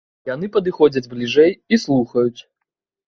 Яны падыходзяць бліжэй і слухаюць.